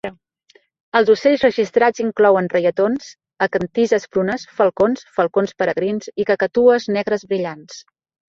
Els ocells registrats inclouen reietons, acantizes brunes, falcons, falcons peregrins i cacatues negres brillants.